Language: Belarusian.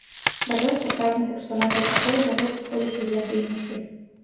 Пра лёс сапраўдных экспанатаў пакоя дагэтуль ходзяць легенды і міфы.